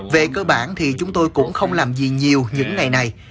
về cơ bản thì chúng tôi cũng không làm gì nhiều những ngày này